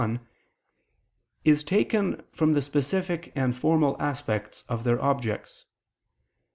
1), is taken from the specific and formal aspects of their objects.